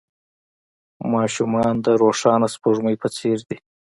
ماشومان د روښانه سپوږمۍ په څېر دي.